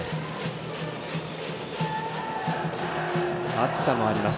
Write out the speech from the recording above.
暑さもあります。